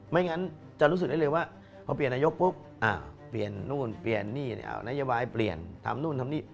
ไม่งั้นจะรู้สึกได้เลยว่าพอเปลี่ยนนายกปุ๊บเปลี่ยนนู่นเปลี่ยนนี่นโยบายเปลี่ยนทำนู่นทำนี่